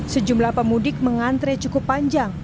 sejumlah pemudik mengantre cukup panjang